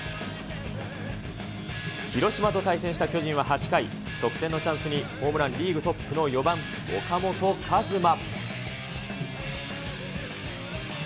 広島と対戦した巨人は８回、得点のチャンスに、ホームランリーグトップの４番岡本和真。